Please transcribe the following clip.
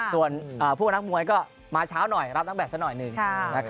ส่วนพวกนักมวยก็มาเช้าหน่อยรับนักแบตซะหน่อยหนึ่ง